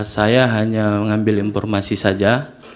saya hanya mengambil informasi saja